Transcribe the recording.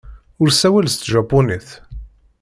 Ur ssawal s tjapunit.